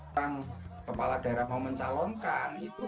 yang kepala daerah mau mencalonkan itu